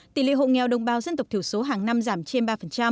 tỷ lệ hộ nghèo đồng bào dân tộc thiểu số hàng năm giảm trên ba